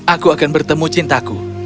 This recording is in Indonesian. aku akan bertemu cintaku